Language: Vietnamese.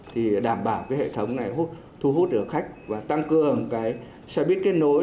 thì đảm bảo hệ thống này thu hút được khách và tăng cường xe buýt kết nối